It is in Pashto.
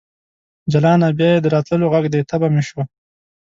جلانه ! بیا یې د راتللو غږ دی تبه مې شوه